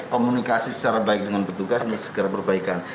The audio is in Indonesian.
komunikasi secara baik dengan petugas segera perbaikan